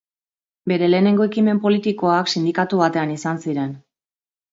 Bere lehenengo ekimen politikoak sindikatu batean izan ziren.